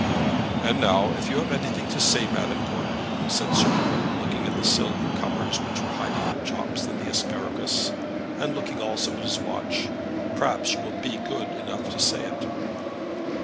"And now if you have anything to say, Madame Gordeloup," said Sir Hugh, looking at the silver covers which were hiding the chops and the asparagus, and looking also at his watch, "perhaps you will be good enough to say it."